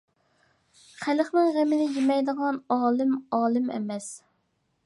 خەلقنىڭ غېمىنى يېمەيدىغان ئالىم ئالىم ئەمەس.